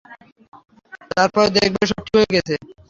তারপর দেখবে সব ঠিক হয়ে গেছে।